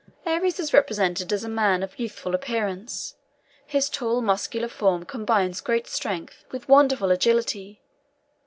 Ares is represented as a man of youthful appearance; his tall muscular form combines great strength with wonderful agility.